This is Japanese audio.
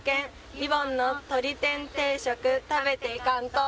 「リボンのとり天定食食べていかんと！」